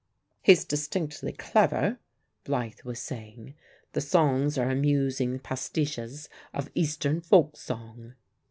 "He's distinctly clever," Blythe was saying; "the songs are amusing 'pastiches' of Eastern folk song."